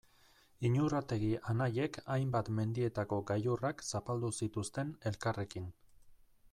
Iñurrategi anaiek hainbat mendietako gailurrak zapaldu zituzten elkarrekin.